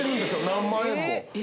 何万円も。